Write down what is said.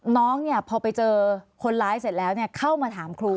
น้องพอไปเจอคนร้ายเสร็จแล้วเข้ามาถามครู